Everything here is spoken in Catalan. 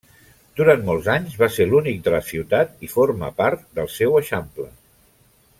Durant molts anys va ser l'únic de la ciutat i forma part del seu eixample.